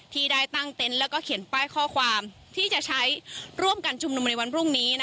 ที่ได้ตั้งเต็นต์แล้วก็เขียนป้ายข้อความที่จะใช้ร่วมกันชุมนุมในวันพรุ่งนี้